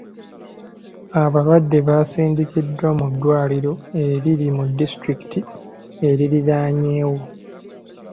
Abalwadde basindikibwa mu ddwaliro eriri mu disitulikiti eriraanyeewo.